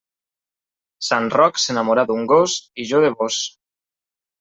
Sant Roc s'enamorà d'un gos i jo de vós.